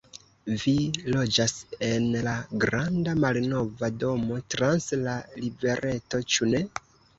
Vi loĝas en la granda, malnova domo trans la rivereto, ĉu ne?